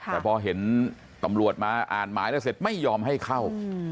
แต่พอเห็นตำรวจมาอ่านหมายแล้วเสร็จไม่ยอมให้เข้า